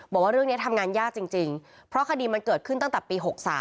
บอกว่าเรื่องนี้ทำงานยากจริงเพราะคดีมันเกิดขึ้นตั้งแต่ปี๖๓